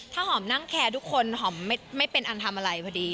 ถ้าหอมนั่งแคร์ทุกคนหอมไม่เป็นอันทำอะไรพอดี